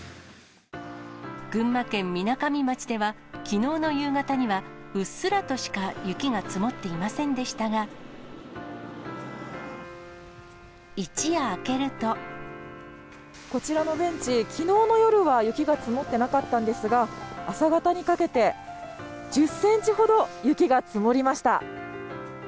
群馬県みなかみ町では、きのうの夕方にはうっすらとしか雪が積もっていませんでしたが、こちらのベンチ、きのうの夜は雪が積もってなかったんですが、朝方にかけて、１０センチほど雪が積もりました。